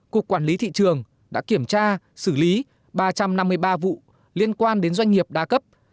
cục quản lý thị trường đã kiểm tra xử lý ba trăm năm mươi ba vụ liên quan đến doanh nghiệp đa cấp